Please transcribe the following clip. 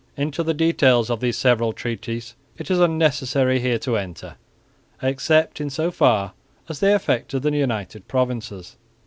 Into the details of these several treaties it is unnecessary here to enter, except in so far as they affected the United Provinces.